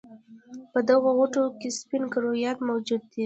په دغه غوټو کې سپین کرویات موجود دي.